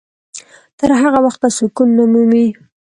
تر هغه وخته سکون نه مومي.